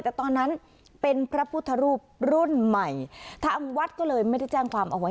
แต่ตอนนั้นเป็นพระพุทธรูปรุ่นใหม่ทางวัดก็เลยไม่ได้แจ้งความเอาไว้